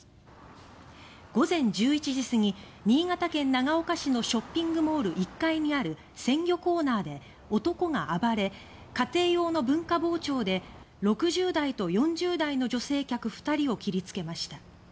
午前１１時すぎ新潟県長岡市のショッピングモール１階にある鮮魚コーナーで男が暴れ家庭用の文化包丁で６０代と４０代の女性客２人を切りつけました。